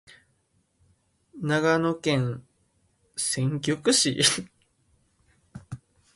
長野県千曲市